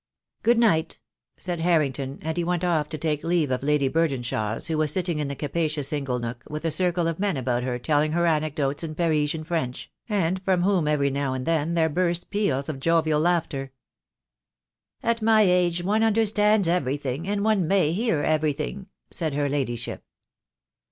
"Good night!" said Harrington, and he went off to take leave of Lady Burdenshaw, who was sitting in the capacious ingle nook, with a circle of men about her telling her anecdotes in Parisian French, and from whom every now and then there burst peals of jovial laughter. "At my age one understands everything, and one may hear everything," said her Ladyship.